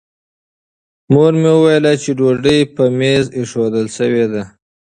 مور مې وویل چې ډوډۍ په مېز ایښودل شوې ده.